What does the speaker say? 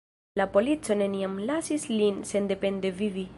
La polico neniam lasis lin sendepende vivi.